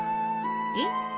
えっ？